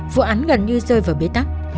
vụ án gần như rơi vào bế tắc